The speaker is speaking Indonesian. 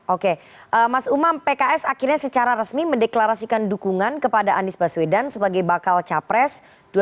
oke mas umam pks akhirnya secara resmi mendeklarasikan dukungan kepada anies baswedan sebagai bakal capres dua ribu sembilan belas